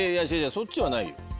そっちはないよ。